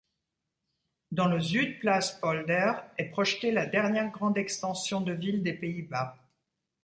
Dans le Zuidplaspolder est projetée la dernière grande extension de ville des Pays-Bas.